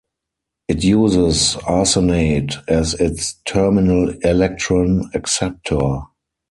It uses arsenate as its terminal electron acceptor.